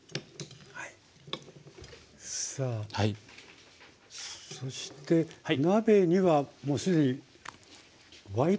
さあそして鍋にはもう既に沸いてますね。